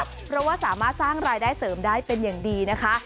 เพราะว่าสามารถสร้างรายได้เสริมได้เป็นอย่างดีนะคะ